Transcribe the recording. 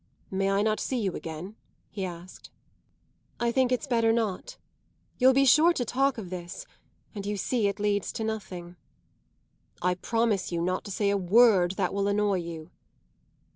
"May I not see you again?" he asked. "I think it's better not. You'll be sure to talk of this, and you see it leads to nothing." "I promise you not to say a word that will annoy you."